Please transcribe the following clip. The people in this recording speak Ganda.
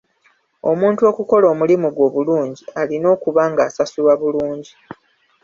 Omuntu okukola omulimu gwe obulungi, alina okuba nga asasulwa bulungi.